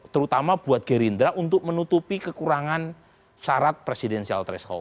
terutama buat gerindra untuk menutupi kekurangan syarat presidensial threshold